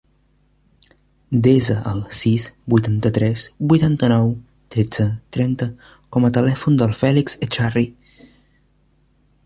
Desa el sis, vuitanta-tres, vuitanta-nou, tretze, trenta com a telèfon del Fèlix Echarri.